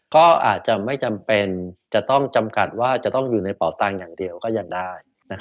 ก็อาจจะไม่จำเป็นจะต้องจำกัดว่าจะต้องอยู่ในเป่าตังค์อย่างเดียวก็ยังได้